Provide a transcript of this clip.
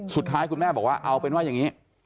สุดท้ายคุณแม่บอกว่าเอาเป็นว่าอย่างนี้